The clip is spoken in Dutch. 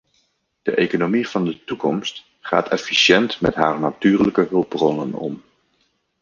De economie van de toekomst gaat efficiënt met haar natuurlijke hulpbronnen om.